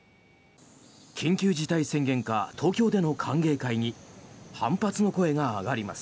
緊急事態宣言下東京での歓迎会に反発の声が上がります。